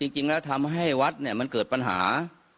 จริงแล้วทำให้วัดเนี่ยมันเกิดปัญหา